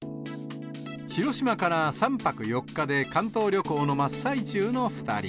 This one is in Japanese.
広島から３泊４日で関東旅行の真っ最中の２人。